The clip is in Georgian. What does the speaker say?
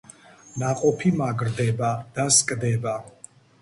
ნაყოფი მაგრდება და სკდება.